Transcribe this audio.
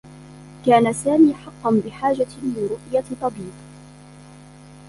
كان سامي حقّا بحاجة لرؤية طبيب.